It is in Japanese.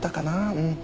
うん。